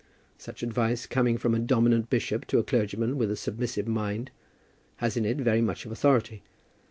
Such advice coming from a dominant bishop to a clergyman with a submissive mind, has in it very much of authority.